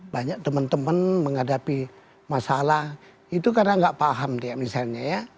banyak teman teman menghadapi masalah itu karena nggak paham dia misalnya ya